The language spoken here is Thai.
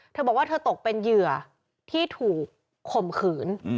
เธอบอกว่าเธอตกเป็นเหยื่อที่ถูกข่มขืน